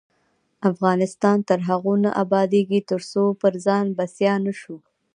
افغانستان تر هغو نه ابادیږي، ترڅو پر ځان بسیا نشو.